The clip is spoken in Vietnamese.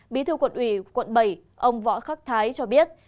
bí thư quận bảy ông võ khắc thái cho biết